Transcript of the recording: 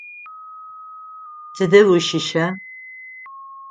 Тыдэ ущыща?